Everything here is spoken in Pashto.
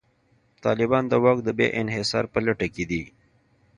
طالبان د واک د بیا انحصار په لټه کې دي.